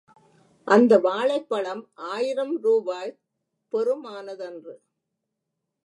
அந்த வாழைப் பழம் ஆயிரம் ரூபாய் பெறுமானதன்று.